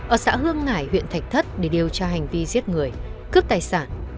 ở xã hương hải huyện thạch thất để điều tra hành vi giết người cướp tài sản